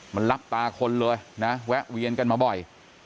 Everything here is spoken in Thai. มันรับตาคนเลยนะแวะเวียนกันมาบ่อย